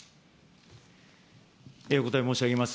お答え申し上げます。